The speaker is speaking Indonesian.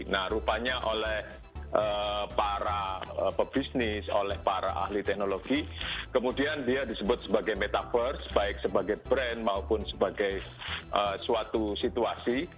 nah rupanya oleh para pebisnis oleh para ahli teknologi kemudian dia disebut sebagai metaverse baik sebagai brand maupun sebagai suatu situasi